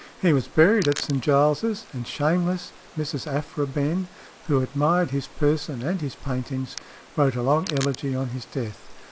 He was buried at St. Giles's, and shameless Mrs. Aphra Behn, who admired his person and his paintings, wrote a long elegy on his death.